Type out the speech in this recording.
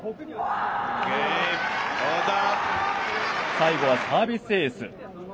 最後はサービスエース。